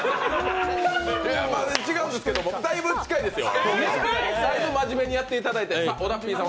違うんですけどもだいぶ近いですよ。